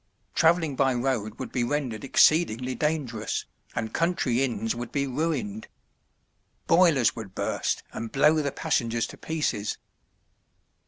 Traveling by road would be rendered exceedingly dangerous, and country inns would be ruined. Boilers would burst and blow the passengers to pieces.